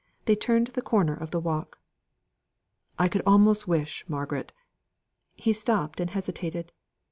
They turned the corner of the walk. "I could almost wish, Margaret " he stopped and hesitated.